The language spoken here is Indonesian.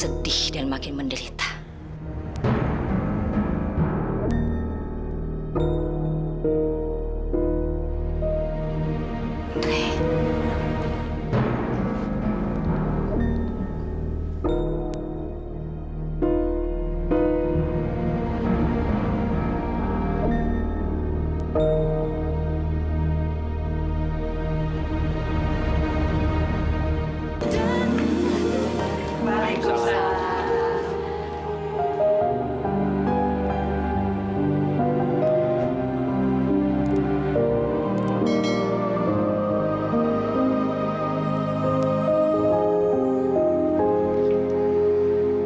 assalamualaikum warahmatullahi wabarakatuh